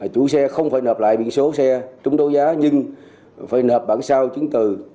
chủ xe không phải nạp lại biển số xe trúng đấu giá nhưng phải nợ bản sao chứng từ